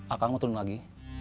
akanku turun lagi